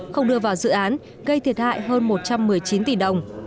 không đưa vào dự án gây thiệt hại hơn một trăm một mươi chín tỷ đồng